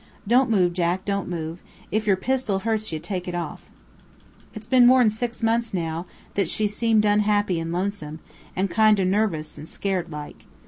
Don't move, Jack; don't move; if your pistol hurts ye, take it off. "It's been more'n six months now that she's seemed unhappy and lonesome, and kinder nervous and scared like.